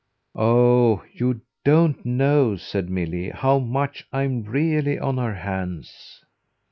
"Oh you don't know," said Milly, "how much I'm really on her hands."